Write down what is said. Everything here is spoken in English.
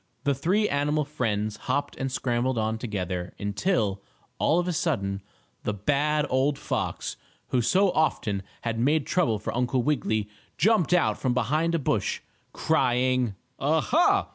The three animal friends hopped and scrambled on together, until, all of a sudden, the bad old fox, who so often had made trouble for Uncle Wiggily, jumped out from behind a bush, crying: "Ah, ha!